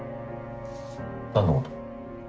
何のこと？